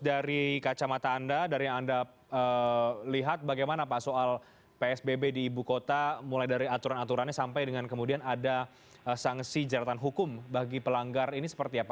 dari aturan aturannya sampai dengan kemudian ada sanksi jaratan hukum bagi pelanggar ini seperti apa